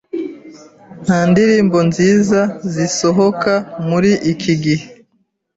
Nta ndirimbo nziza zisohoka muri iki gihe.